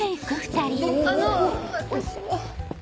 あの私は。